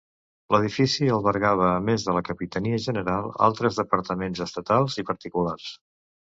L'edifici albergava a més de la Capitania General, altres departaments estatals i particulars.